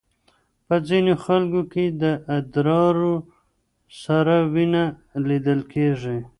په ځینو خلکو کې د ادرار سره وینه لیدل کېږي.